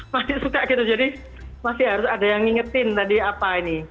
masih suka gitu jadi masih harus ada yang ngingetin tadi apa ini